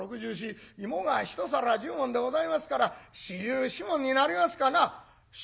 芋が一皿１０文でございますから４４文になりますかな」。